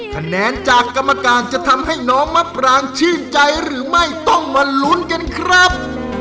คะแนนจากกรรมการจะทำให้น้องมะปรางชื่นใจหรือไม่ต้องมาลุ้นกันครับ